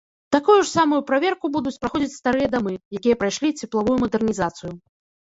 Такую ж самую праверку будуць праходзіць старыя дамы, якія прайшлі цеплавую мадэрнізацыю.